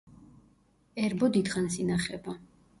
ერბო დიდხანს ინახება.